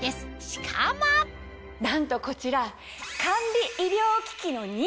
なんとこちら。